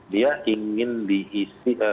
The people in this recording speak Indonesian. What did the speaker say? dia ingin diisi